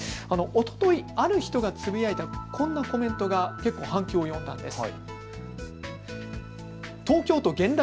おとといある人がつぶやいた、こんなコメントが反響を呼んだんです。